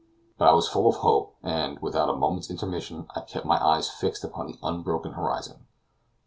But I was full of hope, and, without a moment's intermission, I kept my eyes fixed upon the unbroken horizon.